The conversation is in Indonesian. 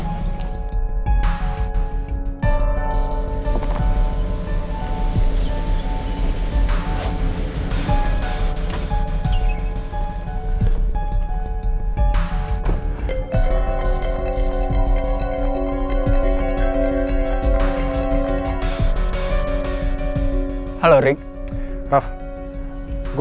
iya thai juga kita sugar